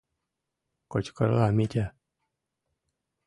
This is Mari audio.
— кычкырла Митя.